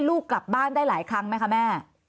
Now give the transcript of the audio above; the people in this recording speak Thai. มันเป็นอาหารของพระราชา